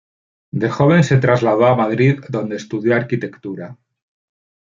De joven se trasladó a Madrid, donde estudió arquitectura.